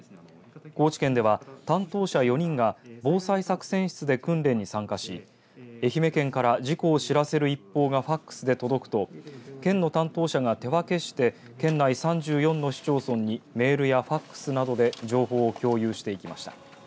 高知県では、担当者４人が防災作戦室で訓練に参加し愛媛県から事故を知らせる一報がファックスで届くと県の担当者が手分けして県内３４の市町村にメールやファックスなどで情報を共有してきました。